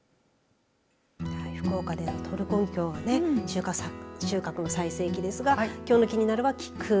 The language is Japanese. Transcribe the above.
福岡でのトルコギキョウが収穫の最盛期ですがきょうのキニナル！は菊。